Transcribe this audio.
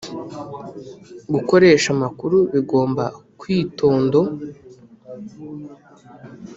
gukoresha amakuru bigomba kwitondo.